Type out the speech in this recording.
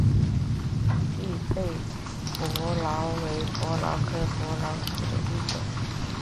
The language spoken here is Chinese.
栗背伯劳为伯劳科伯劳属的一种。